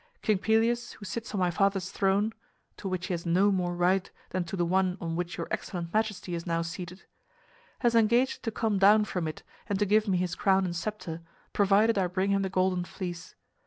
King Pelias, who sits on my father's throne (to which he has no more right than to the one on which your excellent majesty is now seated), has engaged to come down from it and to give me his crown and scepter, provided I bring him the Golden Fleece.